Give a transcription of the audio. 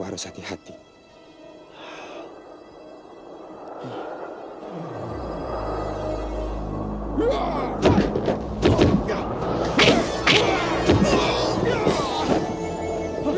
aku telah pun nanggur